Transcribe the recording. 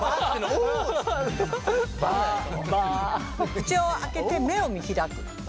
口を開けて目を見開く「バ」。